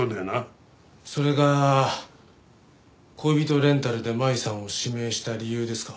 それが恋人レンタルで舞さんを指名した理由ですか？